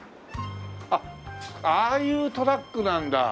あっああいうトラックなんだ。